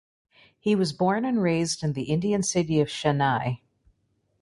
He was born and raised in the Indian city of Chennai.